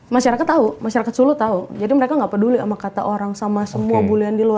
masyarakat tahu masyarakat solo tahu jadi mereka nggak peduli sama kata orang sama semua bulian di luar